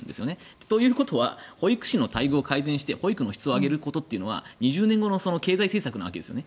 ということは保育士の待遇を改善して保育の質を上げるということは２０年後の経済政策のわけですよね。